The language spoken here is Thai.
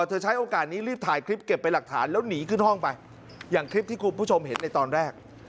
ใช้โอกาสนี้รีบถ่ายคลิปเก็บไปหลักฐานแล้วหนีขึ้นห้องไปอย่างคลิปที่คุณผู้ชมเห็นในตอนแรก